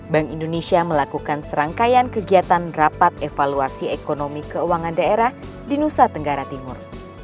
bank indonesia melakukan serangkaian kegiatan rapat evaluasi ekonomi keuangan daerah di nusa tenggara timur